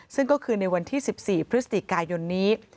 ซึ่งก็คือในวันที่๑๔พฤศจิกายนนี้